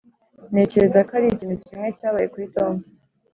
ntekereza ko ari ikintu kimwe cyabaye kuri tom.